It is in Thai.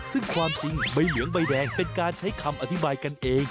ซึ่งความจริงใบเหลืองใบแดงเป็นการใช้คำอธิบายกันเอง